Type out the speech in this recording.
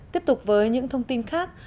tiếp tục với những thông tin khác